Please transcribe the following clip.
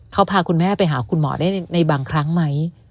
เขาพาคุณแม่ไปหาคุณหมอได้ในบางครั้งไหม